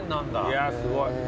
いやすごい。